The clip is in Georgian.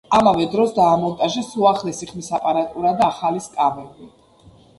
ამავე დროს დაამონტაჟეს უახლესი ხმის აპარატურა და ახალი სკამები.